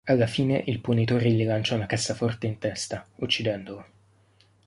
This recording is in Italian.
Alla fine il Punitore gli lancia una cassaforte in testa, uccidendolo.